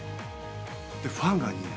で、ファンが２。